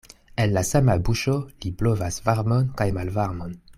El la sama buŝo li blovas varmon kaj malvarmon.